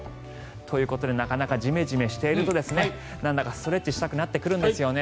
ということでなかなか、ジメジメしているとなんだかストレッチしたくなってくるんですよね。